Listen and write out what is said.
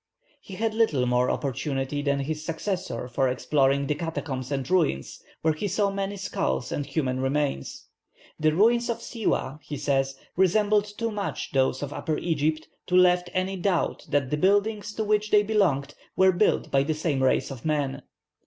He had little more opportunity than his successor for exploring the catacombs and ruins, where he saw many skulls and human remains. "The ruins of Siwâh," he says, "resembled too much those of Upper Egypt to leave any doubt that the buildings to which they belonged were built by the same race of men.